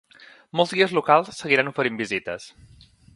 Molts guies locals seguiran oferint visites.